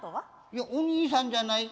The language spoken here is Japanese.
いやお兄さんじゃない。